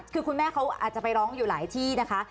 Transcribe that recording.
คือคุณแม่เขาอาจจะไปร้องอยู่หลายที่นะคะ